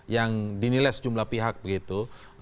yang dinilai sejumlah pihak begitu